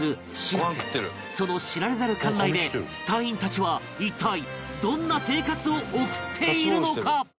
その知られざる艦内で隊員たちは一体どんな生活を送っているのか？